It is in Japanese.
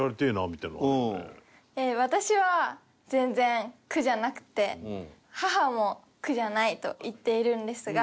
私は全然苦じゃなくて母も苦じゃないと言っているんですが。